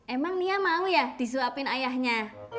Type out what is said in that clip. emang nia mau ya disuapin ayahnya